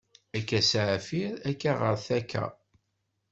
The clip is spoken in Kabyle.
Akka s aɛfir, akka ɣeṛ takka.